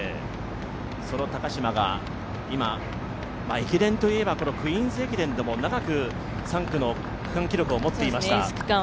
その高島が今、駅伝といえば「クイーンズ駅伝」でも長く３区の区間記録を持っていました。